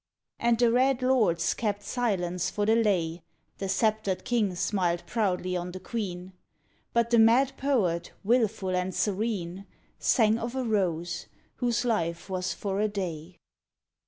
And the red lords kept silence for the lay; The sceptred king smiled proudly on the queen; But the mad poet, willful and serene, Sang of a rose whose life was for a day